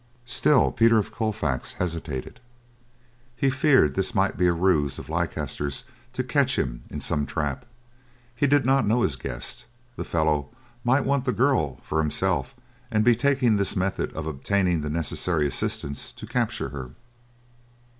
Still Peter of Colfax hesitated, he feared this might be a ruse of Leicester's to catch him in some trap. He did not know his guest—the fellow might want the girl for himself and be taking this method of obtaining the necessary assistance to capture her.